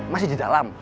masih di dalam